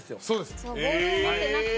広瀬：ボールを持ってなくても。